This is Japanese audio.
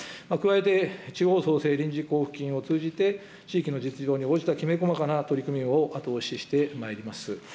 加えて、地方創生臨時交付金を通じて、地域の実情に応じたきめ細かな取り組みを後押ししてまいります。